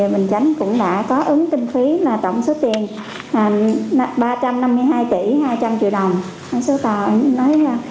bình chánh cũng đã có ứng kinh phí tổng số tiền ba trăm năm mươi hai tỷ hai trăm linh triệu đồng